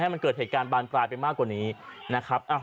มันเกิดเหตุการณ์บานปลายไปมากกว่านี้นะครับ